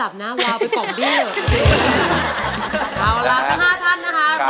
เอาล่ะสักห้าท่านนะคะ